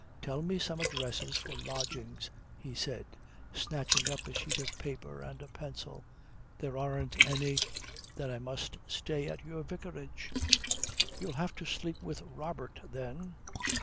Tell me some addresses for lodgings," he said, snatching up a sheet of paper and a pencil. "There aren't any." "Then I must stay at your vicarage." "You'll have to sleep with Robert, then."